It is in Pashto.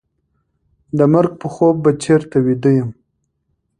د مرګ په خوب به چېرته ویده یم